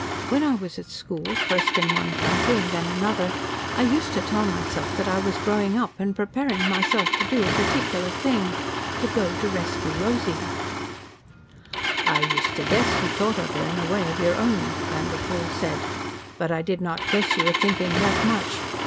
When I was at school, first in one country and then another, I used to tell myself that I was growing up and preparing myself to do a particular thing to go to rescue Rosy." "I used to guess you thought of her in a way of your own," Vanderpoel said, "but I did not guess you were thinking that much.